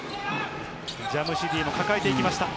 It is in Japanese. ジャムシディも抱えていきました。